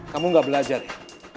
kamu gak belajar ya